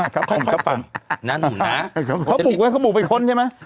ครับผมครับผมนะหนุ่มนะเขาปลูกไว้เขาปลูกไปค้นใช่ไหม